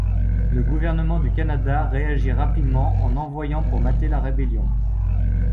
Le gouvernement du Canada réagit rapidement en envoyant pour mater la rébellion.